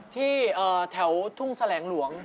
ที่แถวทุ่งแสลงหลวง